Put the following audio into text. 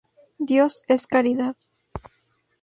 Dios es caridad.